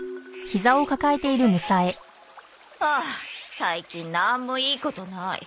ああ最近なんもいいことない。